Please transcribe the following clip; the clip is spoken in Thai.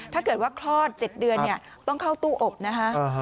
ถ้าเกิดว่าคลอด๗เดือนต้องเข้าตู้อบนะคะ